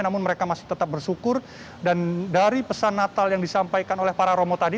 namun mereka masih tetap bersyukur dan dari pesan natal yang disampaikan oleh para romo tadi